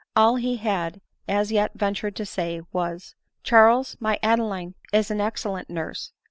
All he had as yet ventured to say was, u Charles, my Adeline is an excellent nurse